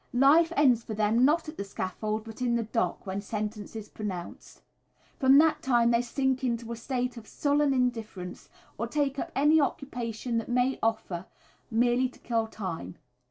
Life ends for them, not at the scaffold, but in the dock, when sentence is pronounced. From that time they sink into a state of sullen indifference, or take up any occupation that may offer, merely to kill time.